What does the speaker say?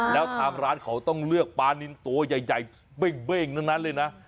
แล้วทางร้านเขาต้องเลือกปลานินตัวใหญ่เบ้งทั้งนั้นเลยนะ